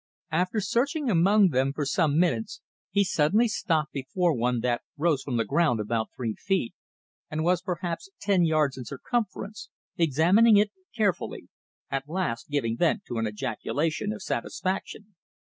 After searching among them for some minutes he suddenly stopped before one that rose from the ground about three feet and was perhaps ten yards in circumference, examining it carefully, at last giving vent to an ejaculation of satisfaction.